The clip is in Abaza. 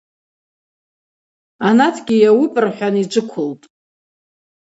Анатгьи – Йауыпӏ, – рхӏван йджвыквылтӏ.